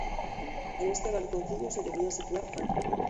En este balconcillo se debía situar Franco.